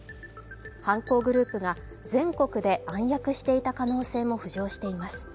犯行グループが全国で暗躍していた可能性も浮上しています。